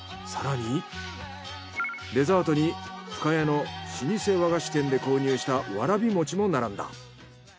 デザートに深谷の老舗和菓子店で購入したわらび餅も並んだ。